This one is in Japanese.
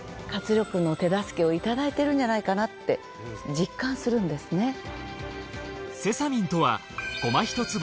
活力の手助けをいただいてるんじゃないかって実感するんですね。